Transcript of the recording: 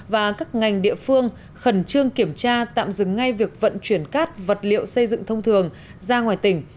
và các ngành địa phương khẩn trương kiểm tra tạm dừng ngay việc vận chuyển cát vật liệu xây dựng thông thường ra ngoài tỉnh